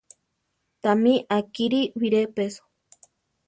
Tamí á kiri biré peso.